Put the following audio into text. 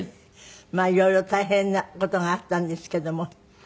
まあ色々大変な事があったんですけども。